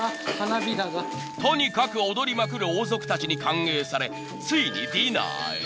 ［とにかく踊りまくる王族たちに歓迎されついにディナーへ］